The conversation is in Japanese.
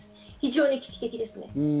非常に危機的ですね。